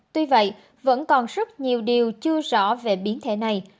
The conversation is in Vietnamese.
tuy vậy vẫn còn rất nhiều điều chưa rõ về biến thể này